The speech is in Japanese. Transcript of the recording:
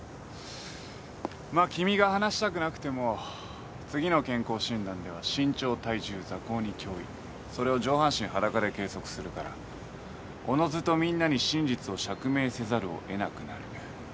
まあ君が話したくなくても次の健康診断では身長体重座高に胸囲それを上半身裸で計測するからおのずとみんなに真実を釈明せざるを得なくなる。